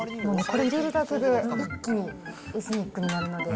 これ入れるだけで、一気にエスニックになるので。